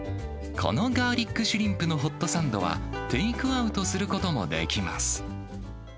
このガーリックシュリンプのホットサンドは、テイクアウトすることもできます。